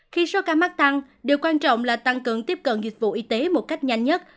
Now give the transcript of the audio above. khi số ca mắc tăng điều quan trọng là tăng cường tiếp cận dịch vụ y tế một cách nhanh nhất